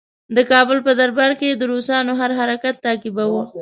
د کابل په دربار کې یې د روسانو هر حرکت تعقیباوه.